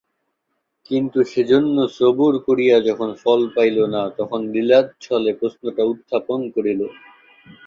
কিন্তু সেজন্য সবুর করিয়া যখন ফল পাইল না, তখন লীলাচ্ছলে প্রশ্নটা উত্থাপন করিল।